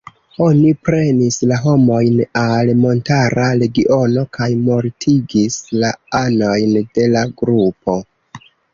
Oni prenis la homojn al montara regiono kaj mortigis la anojn de la grupo.